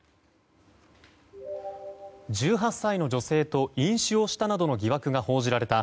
１８歳の女性と飲酒をしたなどの疑惑が報じられた